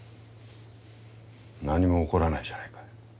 何も起こらないじゃないか。